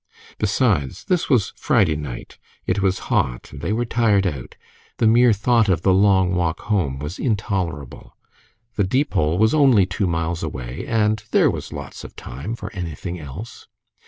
Besides, this was Friday night, it was hot, and they were tired out; the mere thought of the long walk home was intolerable. The Deepole was only two miles away, and "There was lots of time" for anything else.